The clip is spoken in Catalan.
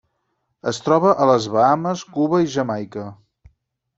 Es troba a les Bahames, Cuba i Jamaica.